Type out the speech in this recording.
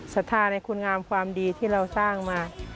ศรัทธาในคุณงามความดีที่เราสร้างมา